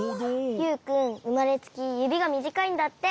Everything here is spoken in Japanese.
ユウくんうまれつきゆびがみじかいんだって。